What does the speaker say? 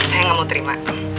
saya gak mau terima